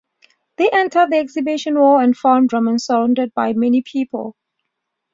They entered the exhibition hall and found Ramon surrounded by many people.